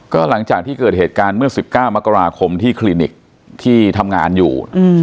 ก็หลังจากที่เกิดเหตุการณ์เมื่อ๑๙มกราคมที่คลินิกที่ทำงานอยู่